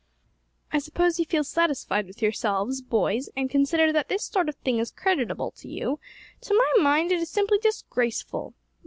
I suppose you feel satisfied with yourselves, boys, and consider that this sort of thing is creditable to you; to my mind it is simply disgraceful.